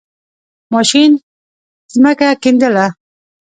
ماشین زَمکه کیندله.